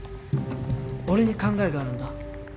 俺に考えがあるんだ。